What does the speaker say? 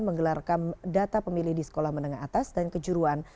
menggelar data pemilih di sekolah menengah atas dan kejuruan